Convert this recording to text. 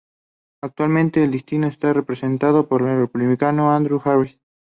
Actualmente el distrito está representado por el Republicano Andrew Harris.